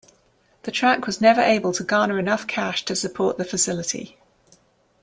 The track never was able to garner enough cash to support the facility.